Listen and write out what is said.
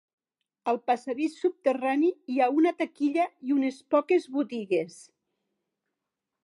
Al passadís subterrani hi ha una taquilla i unes poques botigues.